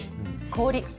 氷。